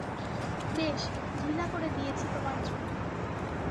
বেশ, ঢিলা করে দিয়েছি তোমার জন্য।